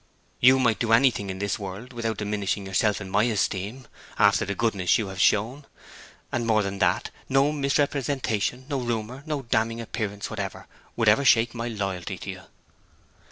'You might do anything in this world without diminishing yourself in my esteem, after the goodness you have shown. And more than that, no misrepresentation, no rumour, no damning appearance whatever would ever shake my loyalty to you.'